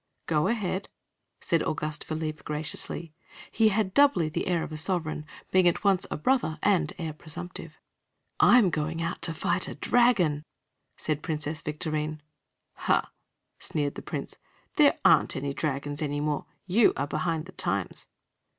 "Go ahead!" said Auguste Philippe graciously. He had doubly the air of a sovereign, being at once a brother and heir presumptive. "I'm going out to find and fight a dragon," said Princess Victorine. "Huh!" sneered the Prince. "There aren't any dragons any more. You are behind the times."